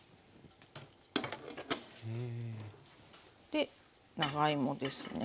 で長芋ですね。